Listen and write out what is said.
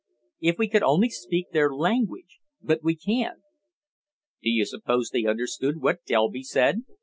If we could only speak their language but we can't." "Do you suppose they understood what Delby said?"